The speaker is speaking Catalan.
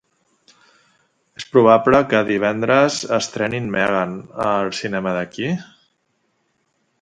És probable que divendres estrenin "Megan" al cinema d'aquí?